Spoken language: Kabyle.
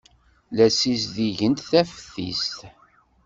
La ssizdigent taftist.